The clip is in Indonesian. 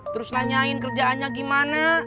terus nanyain kerjaannya gimana